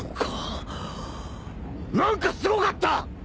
何かすごかった！